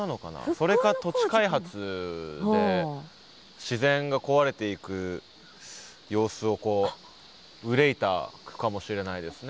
それか土地開発で自然が壊れていく様子をこう憂いた句かもしれないですね。